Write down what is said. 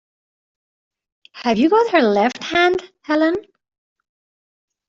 Have you got her left hand, Helene?